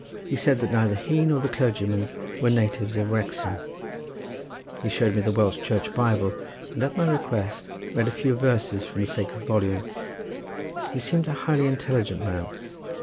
He said that neither he nor the clergyman were natives of Wrexham. He showed me the Welsh Church Bible, and at my request read a few verses from the sacred volume. He seemed a highly intelligent man.